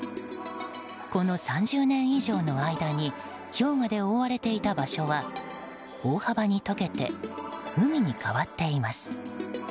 この３０年以上の間に氷河で覆われていた場所は大幅に解けて海に変わっています。